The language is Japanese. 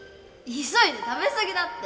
急いで食べすぎだって！